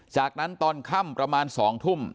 จากนั้นตอนค่ำประมาณ๒ทุ่ม